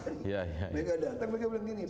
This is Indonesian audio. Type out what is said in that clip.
mereka datang mereka bilang gini pak